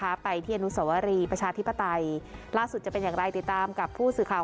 ไปที่อนุสวรีประชาธิปไตยล่าสุดจะเป็นอย่างไรติดตามกับผู้สื่อข่าว